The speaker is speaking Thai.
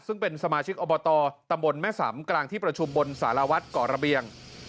ซึ่งเป็นสมาชิกอบตตำบลแม่สำกลางที่ประชุมบนสารวัตรก่อระเบียง